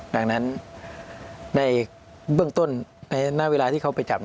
ดังนั้นในเบื้องต้นณเวลาที่เขาไปจับ